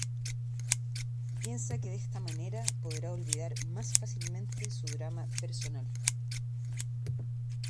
Piensa que de esta manera podrá olvidar más fácilmente su drama personal.